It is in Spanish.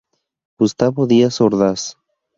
Gustavo Díaz Ordaz.